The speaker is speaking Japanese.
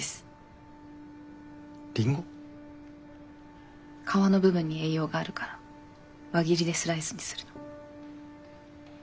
りんご？皮の部分に栄養があるから輪切りでスライスにするの。